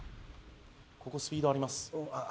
ここスピードあります。